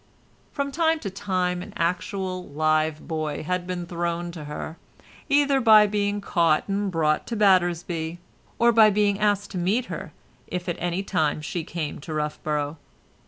From time to time an actual live boy had been thrown to her, either by being caught and brought to Battersby, or by being asked to meet her if at any time she came to Roughborough.